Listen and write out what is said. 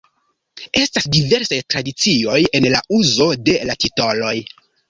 Estas diversaj tradicioj en la uzo de la titoloj.